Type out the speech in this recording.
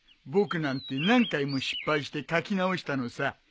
僕なんて何回も失敗して書き直したのさ。